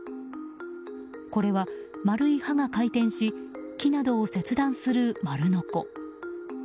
これは丸い刃が回転し木などを切断する丸ノコ。